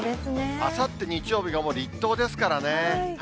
あさって日曜日がもう立冬ですからね。